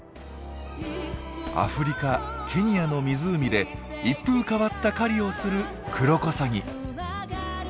アフリカケニアの湖で一風変わった狩りをするクロコサギ。